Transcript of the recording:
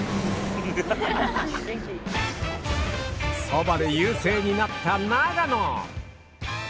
そばで優勢になった長野。